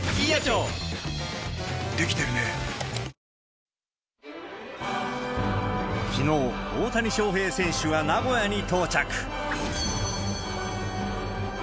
この先、きのう、大谷翔平選手が名古屋に到着。